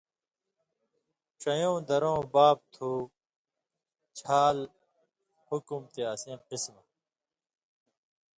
ڇیؤں درؤں (باب) تُھو چھال حُکُم تے اسیں قِسمہ